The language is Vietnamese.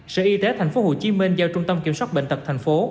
sở y tế tp hcm giao trung tâm kiểm soát bệnh tật tp